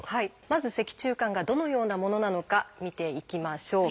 まず脊柱管がどのようなものなのか見ていきましょう。